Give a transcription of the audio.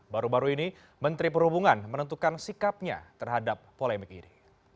baru baru ini menteri perhubungan menentukan sikapnya terhadap polemik ini